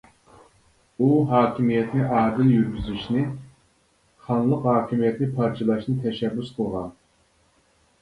ئۇ ھاكىمىيەتنى ئادىل يۈرگۈزۈشنى، خانلىق ھاكىمىيەتنى پارچىلاشنى تەشەببۇس قىلغان.